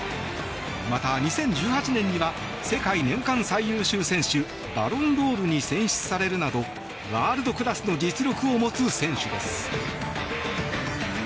また、２０１８年には世界年間最優秀選手バロンドールに選出されるなどワールドクラスの実力を持つ選手です。